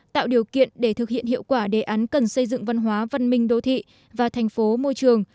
tạo điều kiện để thực hiện hiệu quả đề án cần xây dựng văn hóa văn minh đô thị và thành phố môi trường